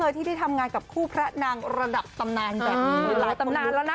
ที่ได้ทำงานกับคู่พระนางระดับตำนานแบบนี้หลายตำนานแล้วนะ